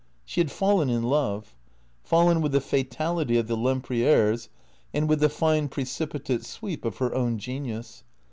She had fallen in love; fallen with the fatality of the Lem prieres, and with the fine precipitate sweep of her own genius.